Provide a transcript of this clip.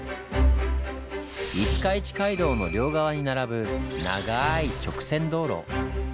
五日市街道の両側に並ぶながい直線道路。